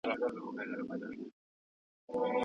د نکاح خبر څنګه بايد زيات نشر او خپور سي؟